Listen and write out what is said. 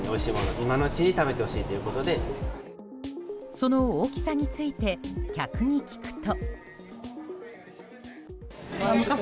その大きさについて客に聞くと。